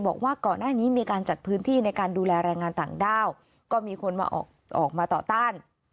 บอกว่าก่อนหน้านี้มีการจัดพื้นที่ในการดูแลแรงงานต่างด้าวก็มีคนมาออกมาต่อต้าน